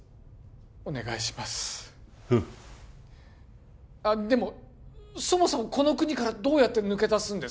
お願いしますあでもそもそもこの国からどうやって抜け出すんですか？